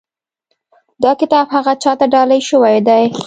دا کتاب هغه چا ته ډالۍ شوی دی.